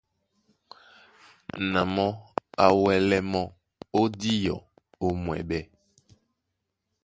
Na mɔ́ á wɛ́lɛ mɔ́ ó díɔ ó mwɛɓɛ́.